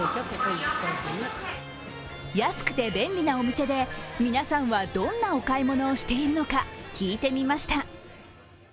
安くて便利なお店で皆さんはどんなお買い物をしているのか聞いてみました。